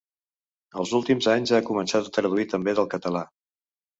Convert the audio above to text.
Els últims anys, ha començat a traduir també del català.